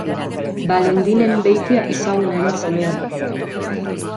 Balendin Enbeita ezagunaren semea dugu.